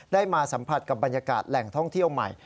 ได้มาสัมผัสกับบรรยากาศแหล่งท่องเที่ยวใหม่